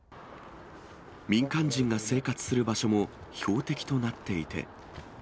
民間人が生活する場所も標的となっていて。